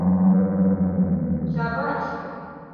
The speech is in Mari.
— Чабач!..